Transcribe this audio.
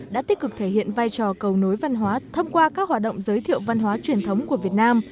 đã tích cực thể hiện vai trò cầu nối văn hóa thông qua các hoạt động giới thiệu văn hóa truyền thống của việt nam